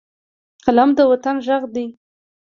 قلم د وطن غږ دی